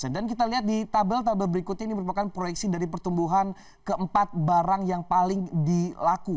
dan kita lihat di tabel tabel berikutnya ini merupakan proyeksi dari pertumbuhan keempat barang yang paling dilaku